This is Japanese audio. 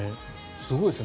すごいですよね。